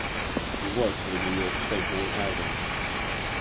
He worked for the New York State Board of Housing.